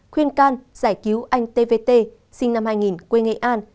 khuyên can giải cứu anh t v t sinh năm hai nghìn quê nghệ an